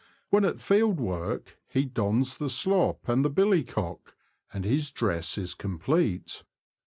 When at field work, he dons the slop and the billycock, and his dress is complete.